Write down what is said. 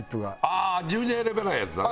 ああ自分で選べないやつだね。